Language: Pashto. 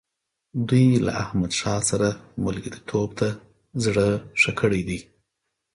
دوی له احمدشاه سره ملګرتوب ته زړه ښه کړی دی.